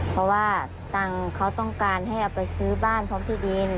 เพราะว่าตังค์เขาต้องการให้เอาไปซื้อบ้านพร้อมที่ดิน